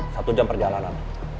satu jam perjalanan